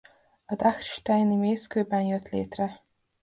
Dachsteini mészkőben jött létre.